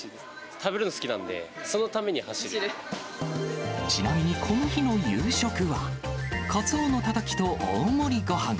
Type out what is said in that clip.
食べるの好きなんちなみに、この日の夕食は、かつおのたたきと大盛りごはん。